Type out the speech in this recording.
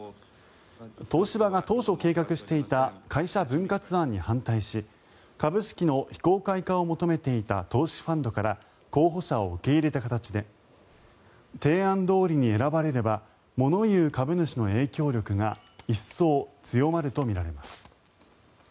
東芝が当初計画していた会社分割案に反対し株式の非公開化を求めていた投資ファンドから候補者を受け入れた形で提案どおりに選ばれれば物言う株主の影響力が一層強まるとみられます。